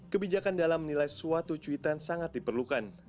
kebijakan dalam menilai suatu cuitan sangat diperlukan